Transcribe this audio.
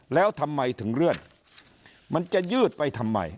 แล้วทำไมถึงเลื่อนมันจะยืดไปทำไม